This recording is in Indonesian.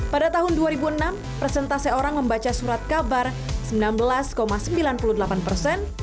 pada tahun dua ribu enam persentase orang membaca surat kabar sembilan belas sembilan puluh delapan persen